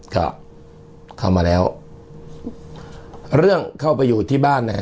ก็เข้ามาแล้วเรื่องเข้าไปอยู่ที่บ้านเนี่ย